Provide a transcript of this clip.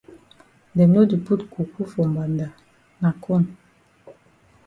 Dem no di put coco for mbanda na corn.